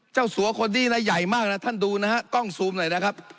สัวคนนี้นะใหญ่มากนะท่านดูนะฮะกล้องซูมหน่อยนะครับ